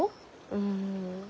うん。